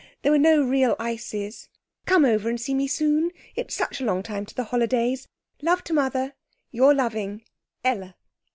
There were no real ices. Come over and see me soon. It's such a long time to the holidays. Love to mother. 'Your loving, 'ELLA.'